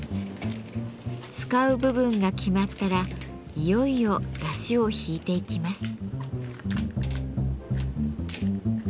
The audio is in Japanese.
使う部分が決まったらいよいよだしをひいていきます。